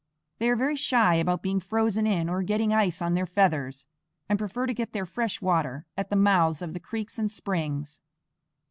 They are very shy about being frozen in or getting ice on their feathers, and prefer to get their fresh water at the mouths of creeks and springs.